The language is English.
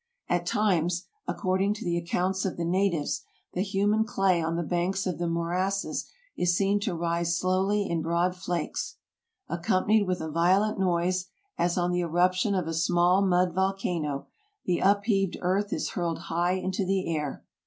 At times, according to the accounts of the natives, the humid clay on the banks of the morasses is seen to rise slowly in broad flakes. Accompanied with a violent noise, as on the eruption of a small mud volcano, the upheaved earth is hurled high into the air.